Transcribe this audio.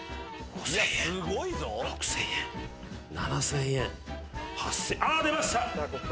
５，０００円６，０００円７，０００円あ出ました！